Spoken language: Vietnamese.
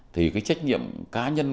thì cái trách nhiệm cá nhân